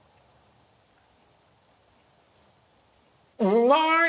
うまい！